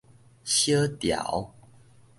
小潮